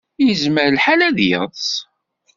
Yezmer lḥal ad yeḍs.